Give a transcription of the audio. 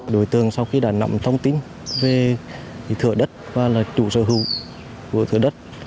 đối tượng sau khi đã nộm thông tin về thửa đất và là chủ sở hữu của thửa đất